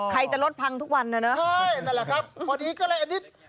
ใครจะรถพังทุกวันน่ะเนอะใช่นั่นแหละครับพอดีก็เลยอันนี้